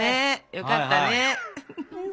よかったね。